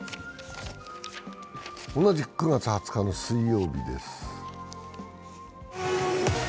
同じく９月２０日の水曜日です。